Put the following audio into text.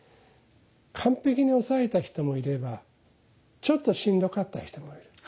完璧に抑えた人もいればちょっとしんどかった人もいる。